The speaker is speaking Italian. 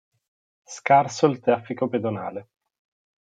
Scarso il traffico pedonale.